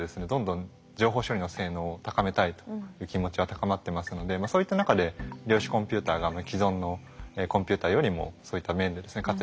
どんどん情報処理の性能を高めたいという気持ちは高まってますのでそういった中で量子コンピューターが既存のコンピューターよりもそういった面でですね